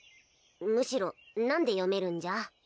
むしろ何で読めるんじゃ？